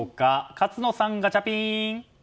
勝野さん、ガチャピン！